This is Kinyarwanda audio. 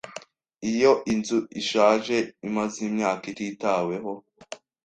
Iyo nzu ishaje imaze imyaka ititaweho.